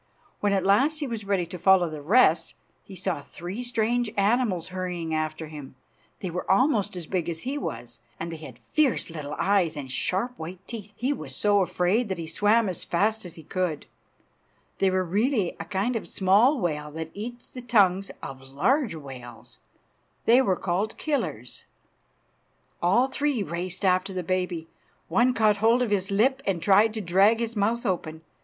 When at last he was ready to follow the rest he saw three strange animals hurrying after him. They were almost as big as he was, and they had fierce little eyes and sharp white teeth. He was so afraid that he swam as fast as he could. [Illustration: THE WHALE. "The old mother whale came tearing back to the rescue." Page 39.] They were really a kind of small whale that eats the tongues of large whales. They were called killers. All three raced after the baby. One caught hold of his lip and tried to drag his mouth open.